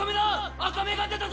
赤目が出たぞ！